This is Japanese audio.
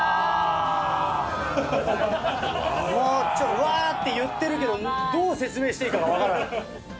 「うわー」って言ってるけどどう説明していいかがわからない。